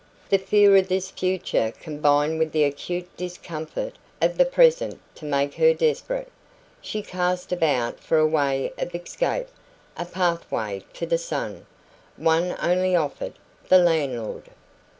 The fear of this future combined with the acute discomfort of the present to make her desperate. She cast about for a way of escape, a pathway to the sun. One only offered the landlord.